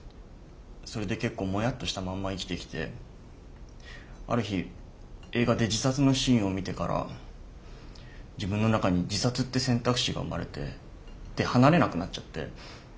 それで結構モヤッとしたまんま生きてきてある日映画で自殺のシーンを見てから自分の中に自殺って選択肢が生まれてで離れなくなっちゃって。